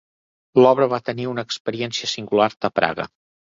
L'obra va tenir una experiència singular a Praga.